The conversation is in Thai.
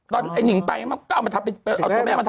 ตอนไอ้นิ่งไปก็เอามาทำพิธีกร